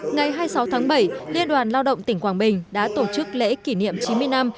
ngày hai mươi sáu tháng bảy liên đoàn lao động tỉnh quảng bình đã tổ chức lễ kỷ niệm chín mươi năm